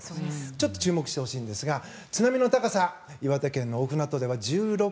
ちょっと注目してほしいんですが津波の高さ、岩手県大船渡市では１６．７ｍ。